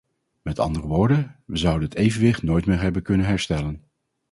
Met andere woorden: we zouden het evenwicht nooit meer hebben kunnen herstellen.